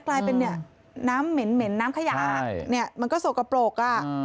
กลายเป็นน้ำเหม็นน้ำขยะมันก็โสกปลก